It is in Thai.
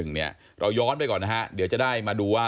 เราย้อนไปก่อนนะฮะเดี๋ยวจะได้มาดูว่า